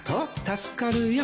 助かるよ